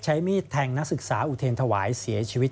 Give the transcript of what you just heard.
ใช้มีดแทงนักศึกษาอุเทรนธวายเสียชีวิต